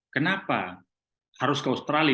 kenapa harus ke australia